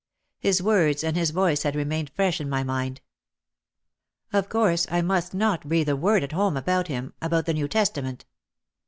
His words and his voice had remained fresh in my mind. Of course I must not breathe a word at home about him, about the New Testament.